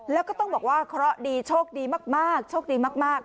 แล้วก็ต้องบอกว่าเคราะห์ดีโชคดีมากโชคดีมาก